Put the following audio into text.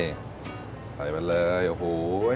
กำลังไปเลยโอ้โฮ